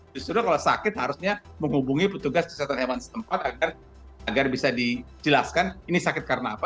justru kalau sakit harusnya menghubungi petugas kesehatan hewan setempat agar bisa dijelaskan ini sakit karena apa